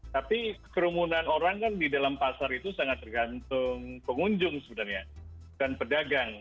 tapi kerumunan orang kan di dalam pasar itu sangat tergantung pengunjung sebenarnya bukan pedagang